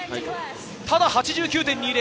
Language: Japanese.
ただ８９．２０。